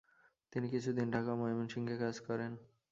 তিনি কিছুদিন ঢাকা ও ময়মনসিংহে কাজ করেন।